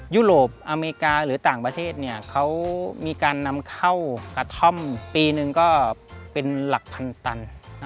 ยุโรปอเมริกาหรือต่างประเทศเขามีการนำเข้ากระท่อมปีหนึ่งก็เป็นหลักพันตัน